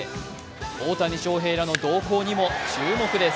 大谷翔平らの動向にも注目です。